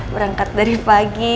berangkat dari pagi